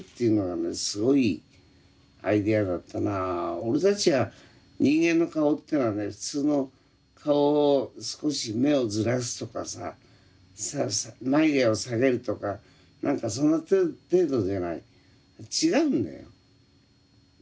俺たちは人間の顔ってのはね普通の顔を少し目をずらすとかさ眉毛を下げるとか何かその程度じゃない。